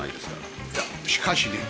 いやしかしね